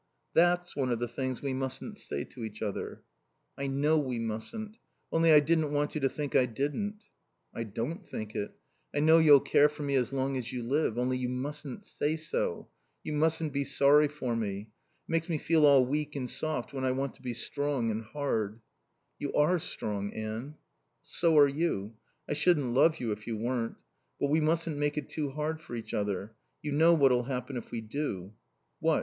"That's one of the things we mustn't say to each other." "I know we mustn't. Only I didn't want you to think I didn't." "I don't think it. I know you'll care for me as long as you live. Only you mustn't say so. You mustn't be sorry for me. It makes me feel all weak and soft when I want to be strong and hard." "You are strong, Anne." "So are you. I shouldn't love you if you weren't. But we mustn't make it too hard for each other. You know what'll happen if we do?" "What?